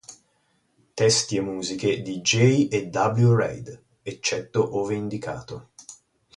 Testi e musiche di J. e W. Reid, eccetto ove indicato.